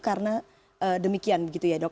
karena demikian gitu ya dok